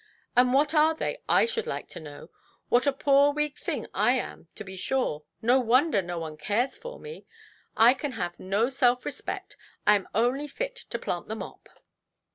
And what are they, I should like to know? What a poor weak thing I am, to be sure; no wonder no one cares for me. I can have no self–respect. I am only fit to plant the mop".